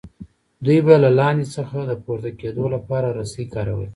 دوی به له لاندې څخه د پورته کیدو لپاره رسۍ کارولې.